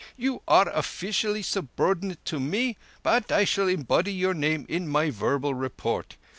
You are offeecially subordinate to me, but I shall embody your name in my verbal report.